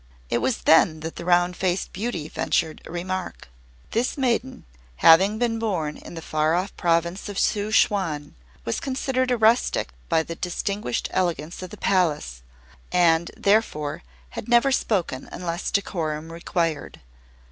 It was then that the Round Faced Beauty ventured a remark. This maiden, having been born in the far off province of Suchuan, was considered a rustic by the distinguished elegance of the Palace and, therefore, had never spoken unless decorum required.